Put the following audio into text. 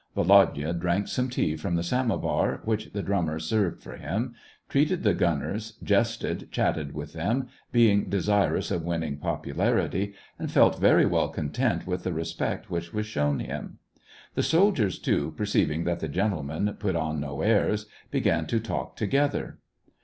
Volodya drank some tea from the samovar, which the drummer served for him, treated the gunners, jested, chatted with them, being desirous of win ning popularity, and felt very well content with the respect which was shown him. The soldiers, too, perceiving that the gentleman put on no airs, began to talk together.